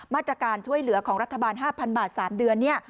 มาตรการช่วยเหลือของรัฐบาล๕๐๐บาท๓เดือนเนี่ย